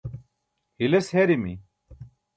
hiles herimi